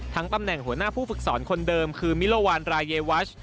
ตำแหน่งหัวหน้าผู้ฝึกสอนคนเดิมคือมิลวานรายวัช